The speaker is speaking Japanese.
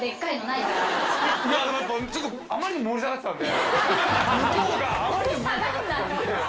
いやでもやっぱちょっと向こうがあまりにも盛り下がってたんで。